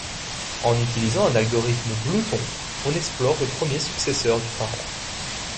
En utilisant un algorithme glouton, on explore le premier successeur du parent.